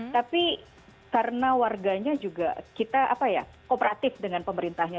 tapi karena warganya juga kita kooperatif dengan pemerintahnya